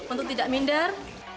untuk tidak minder